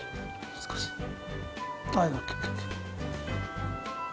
難しいな。